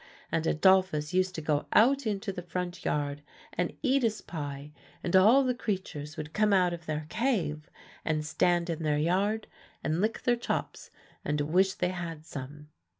And Adolphus used to go out into the front yard, and eat his pie; and all the creatures would come out of their cave, and stand in their yard, and lick their chops, and wish they had some."